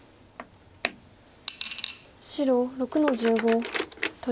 白６の十五取り。